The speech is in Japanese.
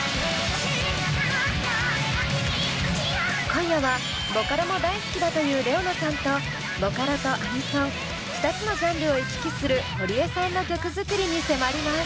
今夜はボカロも大好きだというＲｅｏＮａさんとボカロとアニソン２つのジャンルを行き来する堀江さんの曲作りに迫ります。